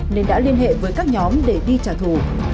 nên đã liên hệ với các nhóm để đi trả thù